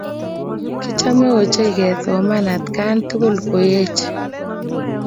Kichome ochei kosoman atkai tugul kokeech.